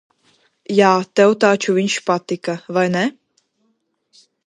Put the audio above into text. Jā, tev taču viņš patika, vai ne?